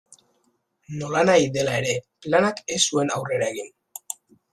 Nolanahi dela ere, planak ez zuen aurrera egin.